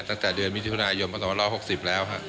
ตั้งแต่เดือนวิทยุธนายยมประมาณรอบ๖๐แล้วค่ะ